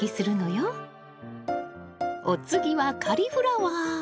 お次はカリフラワー！